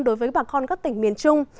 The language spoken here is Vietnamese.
đối với bà con các tỉnh miền trung